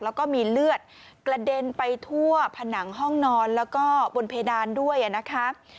แล้วก็มีเลือดกระเด็นไปทั่วผนังห้องนอนแล้วก็บนเพดานด้วยนะคะ